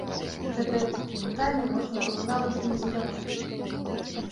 Гэта пытанне можна было нават і не задаваць!